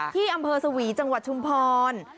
ที่อำเภอสวีจังหวัดชุมพร